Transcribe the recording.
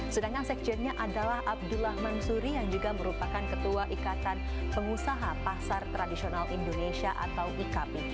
sedangkan sekjennya adalah abdullah mansuri yang juga merupakan ketua ikatan pengusaha pasar tradisional indonesia atau ikp